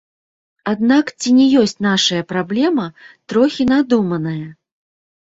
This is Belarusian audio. Аднак ці не ёсць нашая праблема трохі надуманая?